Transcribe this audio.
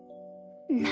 何？